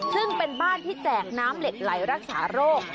ซึ่งเป็นบ้านที่แจกน้ำเหล็กไหลรักษาโรค